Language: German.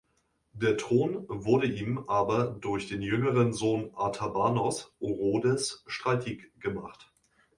Der Thron wurde ihm aber durch den jüngeren Sohn Artabanos' Orodes streitig gemacht.